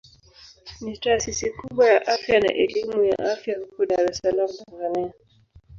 Ni taasisi kubwa ya afya na elimu ya afya huko Dar es Salaam Tanzania.